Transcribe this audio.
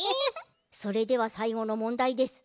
それではさいごのもんだいです。